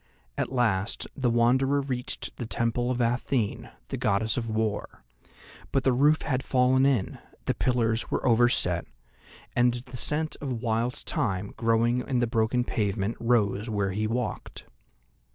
At last the Wanderer reached the Temple of Athene, the Goddess of War; but the roof had fallen in, the pillars were overset, and the scent of wild thyme growing in the broken pavement rose where he walked.